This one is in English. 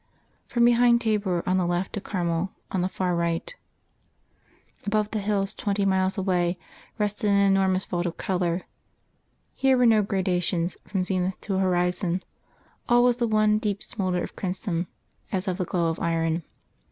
From behind Thabor on the left to Carmel on the far right, above the hills twenty miles away rested an enormous vault of colour; here were no gradations from zenith to horizon; all was the one deep smoulder of crimson as of the glow of iron.